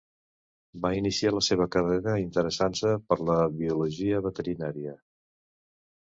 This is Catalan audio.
Va iniciar la seva carrera interessant-se per la biologia veterinària.